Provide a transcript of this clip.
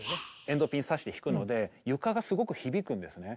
エンドピンさして弾くので床がすごく響くんですね。